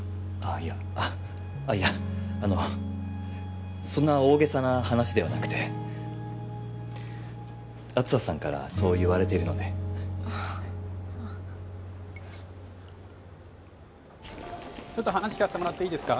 いやいやあのそんな大げさな話ではなくて梓さんからそう言われているのであっちょっと話聞かせてもらっていいですか？